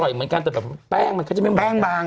อร่อยเหมือนกันแต่เป้มมันก็จะเป็นบาง